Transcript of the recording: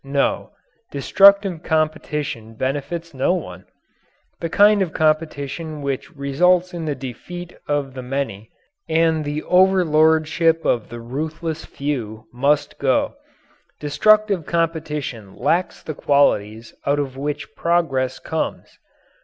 No, destructive competition benefits no one. The kind of competition which results in the defeat of the many and the overlordship of the ruthless few must go. Destructive competition lacks the qualities out of which progress comes.